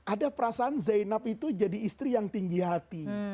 ada perasaan zainab itu jadi istri yang tinggi hati